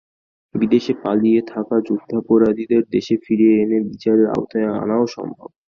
বিদেশে পালিয়ে থাকা যুদ্ধাপরাধীদের দেশে ফিরিয়ে এনে বিচারের আওতায় আনাও সম্ভব।